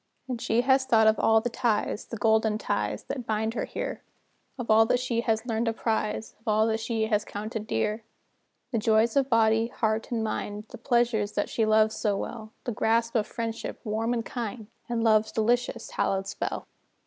And she has thought of all the ties The golden ties that bind her here; Of all that she has learned to prize, Of all that she has counted dear; The joys of body, heart, and mind, The pleasures that she loves so well; The grasp of friendship, warm and kind, And love's delicious, hallowed spell.